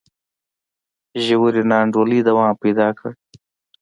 ژورې نا انډولۍ دوام پیدا کړ.